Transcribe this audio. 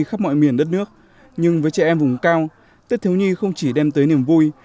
khắp mọi miền đất nước nhưng với trẻ em vùng cao tết thiếu nhi không chỉ đem tới niềm vui